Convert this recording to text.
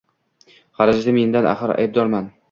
Xarajati mendan, axir aybdorman.